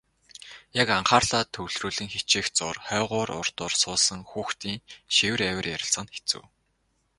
Яг анхаарлаа төвлөрүүлэн хичээх зуур хойгуур урдуур суусан хүүхдийн шивэр авир ярилцах нь хэцүү.